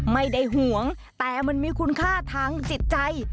ห่วงแต่มันมีคุณค่าทางจิตใจ